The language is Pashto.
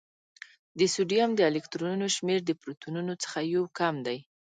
د سوډیم د الکترونونو شمېر د پروتونونو څخه یو کم دی.